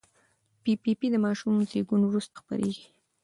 پي پي پي د ماشوم زېږون وروسته خپرېږي.